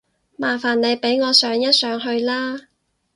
麻煩你俾我上一上去啦